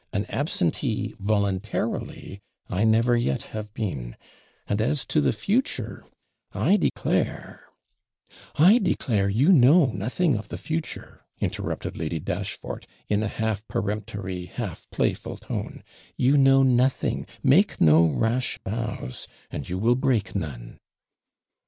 An absentee, voluntarily, I never yet have been; and as to the future, I declare ' 'I declare you know nothing of the future,' interrupted Lady Dashfort, in a half peremptory, half playful tone 'you know nothing; make no rash vows, and you will break none.'